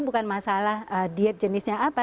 bukan masalah diet jenisnya apa